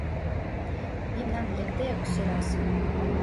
Мемнан лекде ок сӧрасе.